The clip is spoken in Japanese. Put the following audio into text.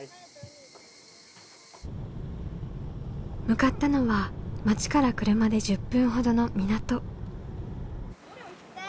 向かったのは町から車で１０分ほどの港。